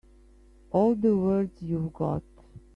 All the words you've got.